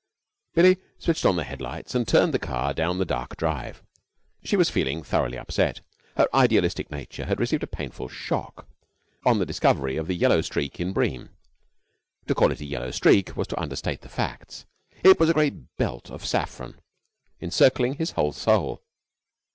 Billie switched on the head lights and turned the car down the dark drive. She was feeling thoroughly upset. Her idealistic nature had received a painful shock on the discovery of the yellow streak in Bream. To call it a yellow streak was to understate the facts. It was a great belt of saffron encircling his whole soul.